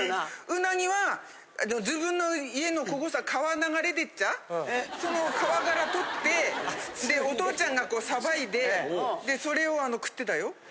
うなぎは自分の家のここさ、川流れてっちゃ、その川から取って、お父ちゃんがさばいて、それを食ってたよ。